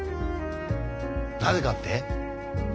なぜかって？